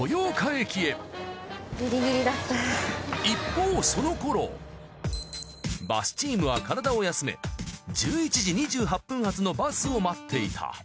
一方その頃バスチームは体を休め１１時２８分発のバスを待っていた。